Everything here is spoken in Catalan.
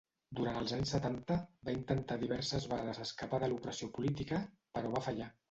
Durant els anys setanta, va intentar diverses vegades escapar de l'opressió política, però va fallar.